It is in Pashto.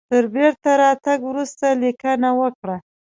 تر بیرته راتګ وروسته لیکنه وکړه.